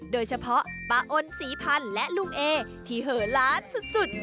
โดยเฉพาะป้าอนศรีพันธ์และลุงเอที่เหอล้านสุด